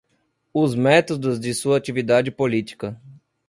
os métodos de sua atividade política